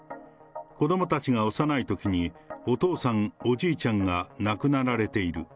子どもたちが幼いときに、お父さん、おじいちゃんが亡くなられている。